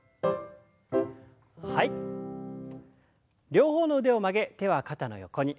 両方の腕を曲げ手は肩の横に。